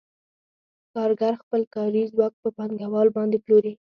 کارګر خپل کاري ځواک په پانګوال باندې پلوري